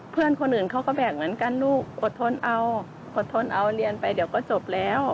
เพื่อนคนอื่นเขาก็แบกเหมือนกันลูกอดทนเอาอดทนเอาเรียนไปเดี๋ยวก็จบแล้ว